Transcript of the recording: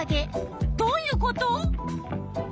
どういうこと？